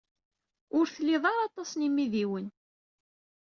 Ur tlid ara aṭas n yimidiwen.